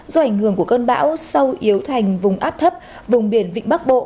do ảnh hưởng của cơn bão sau yếu thành vùng áp thấp vùng biển vịnh bắc bộ